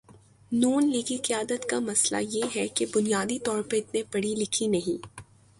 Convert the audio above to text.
نون لیگی قیادت کا مسئلہ یہ ہے کہ بنیادی طور پہ اتنے پڑھی لکھی نہیں۔